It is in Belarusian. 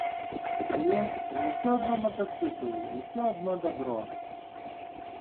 Але, усё адно матацыкл, усё адно дабро.